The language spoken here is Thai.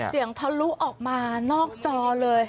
เสียงทะลุออกมานอกจอเลย